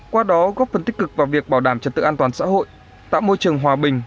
qua đó góp phần tích cực vào việc bảo đảm trật tự an toàn xã hội tạo môi trường hòa bình